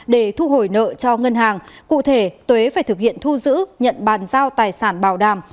để thu hồi nợ cho ngân hàng cụ thể tuế phải thực hiện thu giữ nhận bàn giao tài sản bảo đảm